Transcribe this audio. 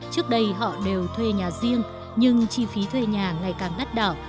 trước đây họ đều thuê nhà riêng nhưng chi phí thuê nhà ngày càng đắt đỏ